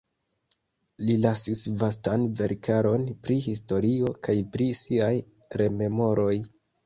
Li lasis vastan verkaron pri historio kaj pri siaj rememoroj.